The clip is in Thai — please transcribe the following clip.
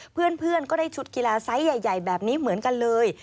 เพื่อนก็ได้ชุดกีฬาไซส์ใหญ่แบบนี้เหมือนกันเลย